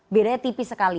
bedanya tipis sekali